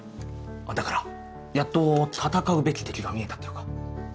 だからやっと闘うべき敵が見えたっていうか。